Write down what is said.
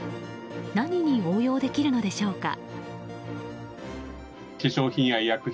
何に応用できるのでしょうか。